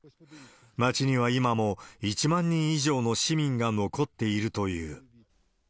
町には今も１万人以上の市民が残っているという。